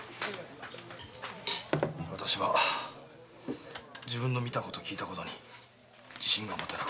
私は自分の見たこと聞いたことに自信が持てなくなった。